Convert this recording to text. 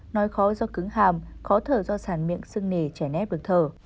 nói khó do cứng hàm khó thở do sản miệng xưng nề trẻ nét bước thở